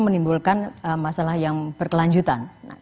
menimbulkan masalah yang berkelanjutan